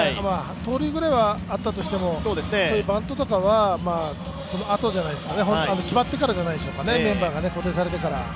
盗塁ぐらいはあったとしても、バントとかはあとじゃないですかね、決まってからじゃないでしょうかね、メンバーが固定されてから。